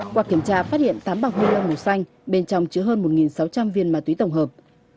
quạt kiểm tra phát hiện tám bọc huyên đơn màu xanh bên trong chứa hơn một sáu trăm linh viên ma túy tổng hợp